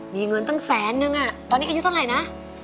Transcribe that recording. มีเงินตั้งแสนนึงตอนนี้อายุเท่าไหร่นะ